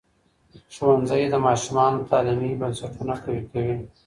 ښوونځی د ماشومانو تعلیمي بنسټونه قوي کوي.